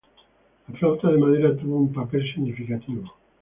La flauta de madera tuvo un papel significativo.